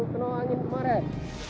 kenapa angin kemarin